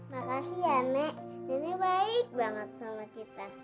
makasih ya nek